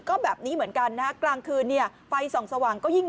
ก็แบบนี้เหมือนกันนะฮะกลางคืนเนี่ยไฟส่องสว่างก็ยิ่ง